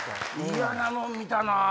嫌なもん見たな。